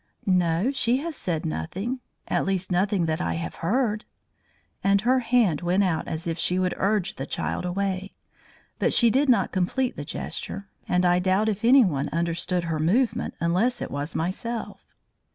"No, she has said nothing; at least nothing that I have heard." And her hand went out as if she would urge the child away. But she did not complete the gesture, and I doubt if anyone understood her movement unless it was myself.